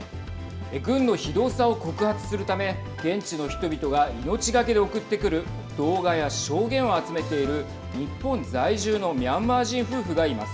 軍の非道さを告発するため現地の人々が命懸けで送ってくる動画や証言を集めている日本在住のミャンマー人夫婦がいます。